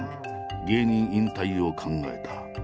芸人引退を考えた。